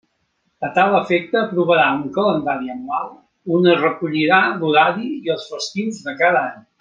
A tal efecte aprovarà un calendari anual on es recollirà l'horari i els festius de cada any.